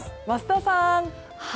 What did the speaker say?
桝田さん。